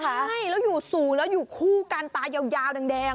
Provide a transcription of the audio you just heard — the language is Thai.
ใช่แล้วอยู่สูงแล้วอยู่คู่กันตายาวแดง